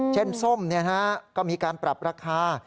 เช่นส้มนี้ฮะก็มีการปรับราคา